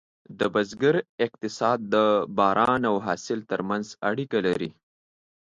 د بزګر اقتصاد د باران او حاصل ترمنځ اړیکه لري.